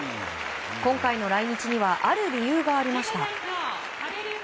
今回の来日にはある理由がありました。